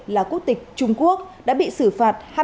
là quốc tịch trung quốc đã bị xử phạt